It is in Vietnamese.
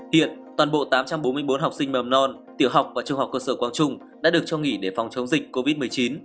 hiện toàn bộ tám trăm bốn mươi bốn học sinh mầm non tiểu học và trung học cơ sở quang trung đã được cho nghỉ để phòng chống dịch covid một mươi chín